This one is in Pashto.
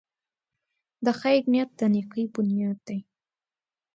د خیر نیت د نېکۍ بنیاد دی.